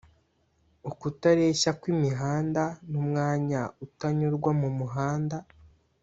Ukutareshya kw’imihanda n’umwanya utanyurwa mumuhanda